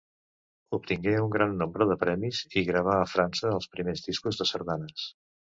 Obtingué un gran nombre de premis i gravà a França els primers discos de sardanes.